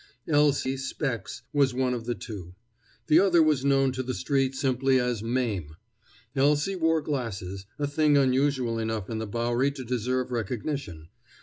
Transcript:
Elsie "Specs" was one of the two; the other was known to the street simply as Mame. Elsie wore glasses, a thing unusual enough in the Bowery to deserve recognition.